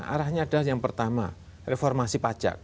arahnya adalah yang pertama reformasi pajak